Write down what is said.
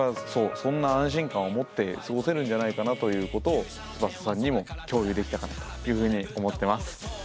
そんな安心感を持って過ごせるんじゃないかということをつばささんにも共有できたかなというふうに思ってます。